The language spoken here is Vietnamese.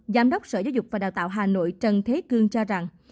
giám đốc sở giáo dục và đào tạo hà nội trần thế cương cho rằng